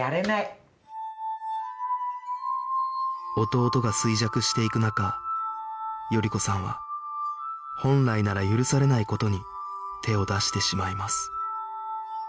弟が衰弱していく中賀子さんは本来なら許されない事に手を出してしまいます